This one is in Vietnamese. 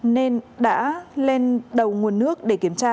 nên đã lên đầu nguồn nước để kiểm tra